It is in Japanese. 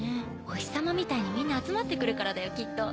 お日さまみたいにみんな集まって来るからだよきっと。